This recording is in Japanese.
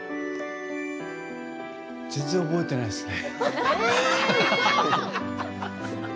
全然覚えてないですね。